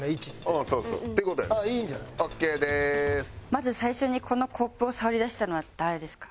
まず最初にこのコップを触りだしたのは誰ですか？